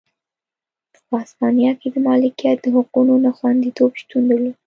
په هسپانیا کې د مالکیت د حقونو نه خوندیتوب شتون درلود.